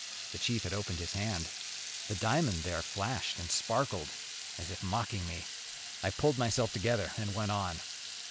The chief had opened his hand. The diamond there flashed and sparkled as if mocking me. I pulled myself together, and went on.